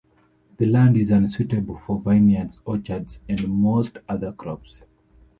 The land is unsuitable for vineyards, orchards, and most other crops.